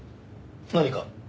何か？